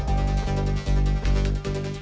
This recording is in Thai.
มีความรู้สึกว่ามีความรู้สึกว่า